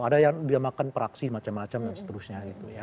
ada yang dia makan praksi macam macam dan seterusnya